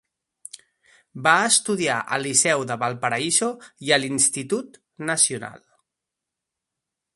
Va estudiar al Liceu de Valparaíso i a l'Institut Nacional.